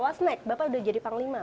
wasnek bapak udah jadi panglima